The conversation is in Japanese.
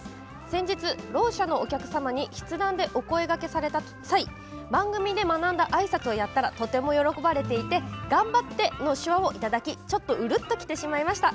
先日、ろう者のお客様に筆談でお声かけされた際番組で学んだあいさつをやったらとても喜ばれていて「頑張って」の手話をいただきちょっとうるっときてしまいました。